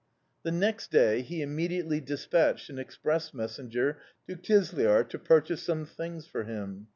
"The next day he immediately despatched an express messenger to Kizlyar to purchase some things for him.